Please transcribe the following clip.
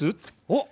おっ！